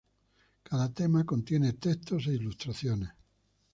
Cada tema contiene texto e ilustraciones.